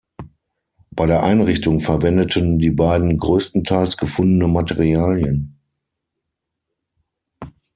Bei der Einrichtung verwendeten die beiden größtenteils gefundene Materialien.